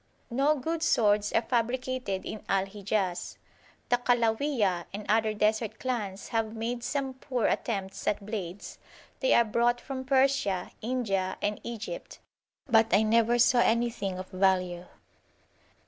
No good swords are fabricated in Al Hijaz. The Khalawiyah and other Desert clans have made some poor attempts at blades. They are brought from Persia, India, and Egypt; but I never saw anything of value.